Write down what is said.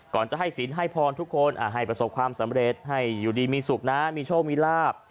ก่อนจะให้ศีลให้พรทุกคนให้ประสบความสำเร็จให้อยู่ดีมีสุขนะมีโชคมีลาบ